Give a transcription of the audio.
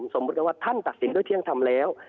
สมมุติว่าท่านตัดสินด้วยเที่ยงธรรมแล้ว